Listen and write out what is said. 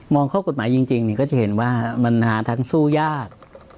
ข้อกฎหมายจริงก็จะเห็นว่ามันหาทางสู้ยาก